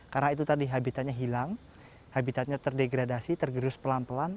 karena itu tadi habitatnya hilang habitatnya terdegradasi tergerus pelan pelan